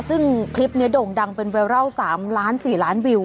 ซึ่งคลิปนี้โด่งดังเป็นไวรัล๓ล้าน๔ล้านวิว